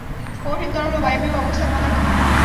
কঠিন, তরল ও বায়বীয় অবস্থায় পদার্থ থাকে।